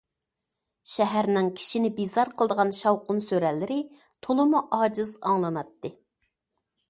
شەھەرنىڭ كىشىنى بىزار قىلىدىغان شاۋقۇن- سۈرەنلىرى تولىمۇ ئاجىز ئاڭلىناتتى.